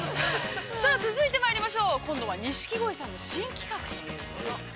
◆続いてまいりましょう。今度は錦鯉さんの新企画ということで。